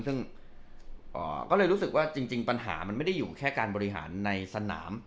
ซึ่งก็เลยรู้สึกว่าจริงปัญหามันไม่ได้อยู่แค่การบริหารในสนาม